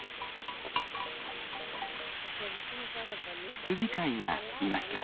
羊飼いがいました。